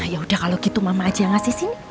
ya udah kalau gitu mama aja yang ngasih sini